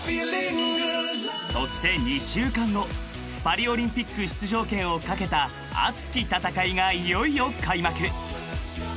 ［そして２週間後パリオリンピック出場権を懸けた熱き戦いがいよいよ開幕］